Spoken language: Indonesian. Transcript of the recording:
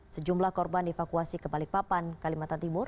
sejumlah korban dievakuasi ke balikpapan kalimantan timur